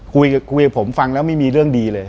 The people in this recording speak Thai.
คุยกับผมฟังแล้วไม่มีเรื่องดีเลย